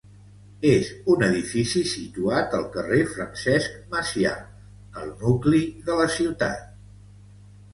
És un edifici situat al carrer Francesc Macià, al nucli de la ciutat.